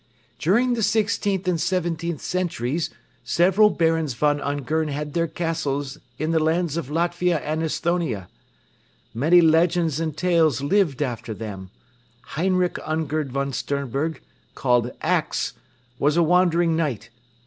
"During the sixteenth and seventeenth centuries several Barons von Ungern had their castles in the lands of Latvia and Esthonia. Many legends and tales lived after them. Heinrich Ungern von Sternberg, called 'Ax,' was a wandering knight.